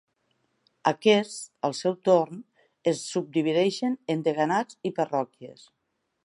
Aquests, al seu torn, es subdivideixen en deganats i parròquies.